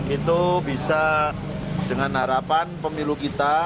itu bisa dengan harapan pemilu kita